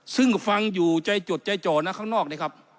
ซึ่งฟังอยู่ใจจดใจจ่อนะข้างนอกเนี่ยครับ